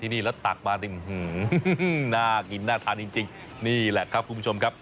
นี่แล้วตักมาน่ากินน่าทานจริงนี่แหละครับคุณผู้ชมครับ